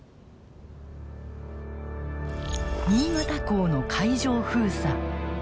新潟港の海上封鎖。